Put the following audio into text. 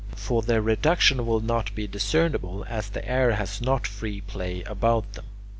For their reduction will not be discernible, as the air has not free play about them.